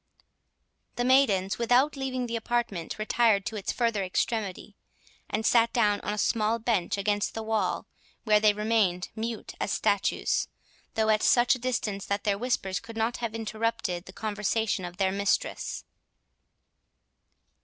The maidens, without leaving the apartment, retired to its further extremity, and sat down on a small bench against the wall, where they remained mute as statues, though at such a distance that their whispers could not have interrupted the conversation of their mistress.